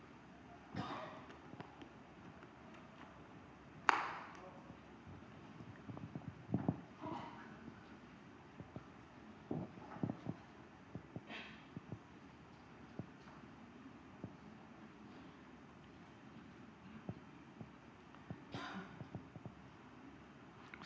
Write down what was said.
ini sudah diima